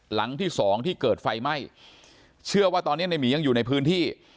หลังที่สองที่เกิดไฟไหม้เชื่อว่าตอนนี้ในหมียังอยู่ในพื้นที่